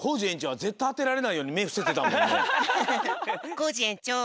コージえんちょう。